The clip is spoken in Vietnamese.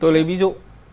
tôi lấy ví dụ